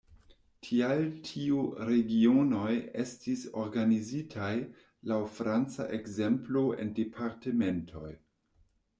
Tial tiu regionoj estis organizitaj laŭ franca ekzemplo en departementoj.